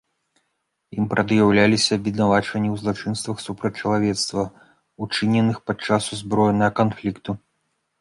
Ім прад'яўляліся абвінавачванні ў злачынствах супраць чалавецтва, учыненых падчас узброенага канфлікту.